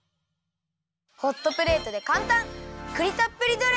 ホットプレートでかんたん！